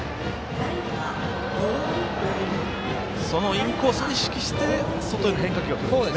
インコース、意識して外の変化球がくるんですね。